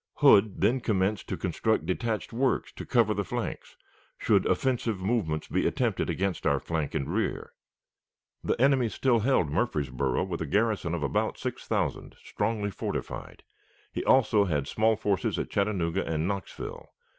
Hood then commenced to construct detached works to cover the flanks, should offensive movements be attempted against our flank and rear. The enemy still held Murfreesboro with a garrison of about six thousand, strongly fortified; he also had small forces at Chattanooga and Knoxville.